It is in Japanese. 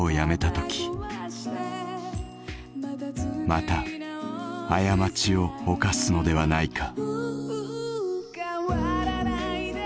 「また過ちを犯すのではないか」。